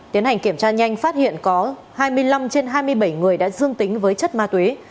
tiến hành kiểm tra nhanh phát hiện có hai mươi năm trên hai mươi bảy người đã dương tính với chất ma túy